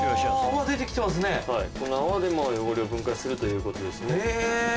はいこの泡で汚れを分解するということですね。